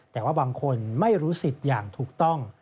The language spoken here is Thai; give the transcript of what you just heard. แต่ว่าบางคนไม่รู้สิทธิ์อย่างถูกต้อง